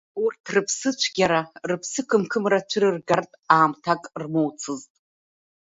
Урҭ рыԥсыцәгьара, рыԥсы қымқымра цәырыргартә аамҭак рмоуцызт.